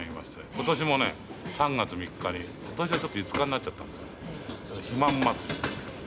今年もね３月３日に今年はちょっと５日になっちゃったんですけどひまん祭りっていうんです。